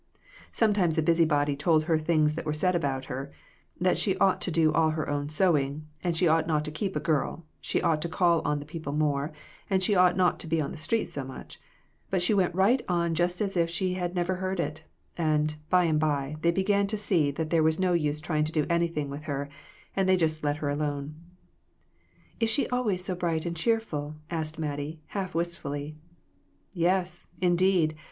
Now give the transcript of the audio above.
Sometimes a busybody told her things that were said about her that she ought to do all her own sewing, and she ought not to keep a girl, she ought to call on the people more, and she ought not to be on the street so much; but she went right on just as if she never had heard it, and by and by they began to see that there was no use trying to do anything with her, and they just let her alone." "Is she always so bright and cheerful?" asked Mattie, half wistfully. "Yes, indeed!